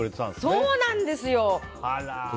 そうなんですよ。